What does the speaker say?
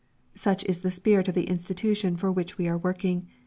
Such is the spirit of the institution for which we are working.